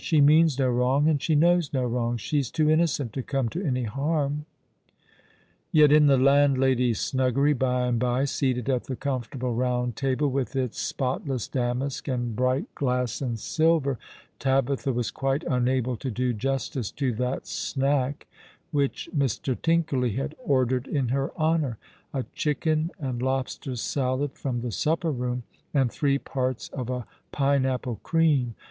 *' She means no wrong, and she knows no wrong. She's too innocent to come to any harm." Yet in the landlady's snuggery, by and by, seated at tho comfortable rouhd table, with its spotless damask and bright 68 All aloiijr the River. gki;;S and silver, Tabitha was quite unablo to do justice to that snack which Mr. Tinkerly had ordered in her honour — a chicken and lobster salad from the supper room, and three parts of a pine apple cream.